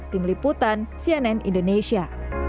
tim liputan cnn indonesia